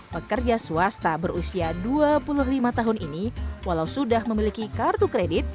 pekerja swasta berusia dua puluh lima tahun ini walau sudah memiliki kartu kredit